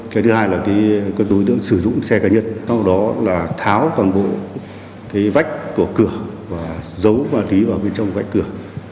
cái thứ hai là các đối tượng sử dụng xe cá nhân sau đó là tháo toàn bộ cái vách cửa cửa và giấu ma túy vào bên trong vách cửa